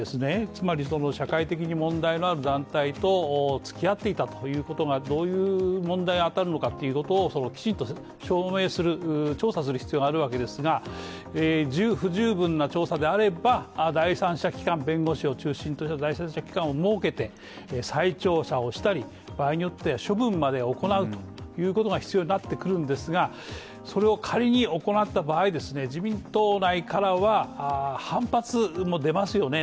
つまり社会的に問題のある団体とつきあっていたということがどういう問題に当たるのかということをきちんと証明する、調査する必要があるわけですが不十分な調査であれば弁護士を中心とした第三者機関を設けて、再調査をしたり場合によっては処分まで行うということが必要になってくるんですが、それを仮に行った場合、自民党内からは、反発も出ますよね。